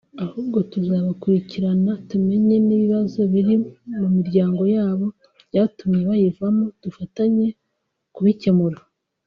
ahubwo tuzabakurikirana tumenye n’ibibazo biri mu miryango yabo byatumye bayivamo dufatanye kubikemura”